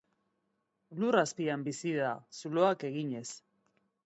Lur azpian bizi da, zuloak eginez.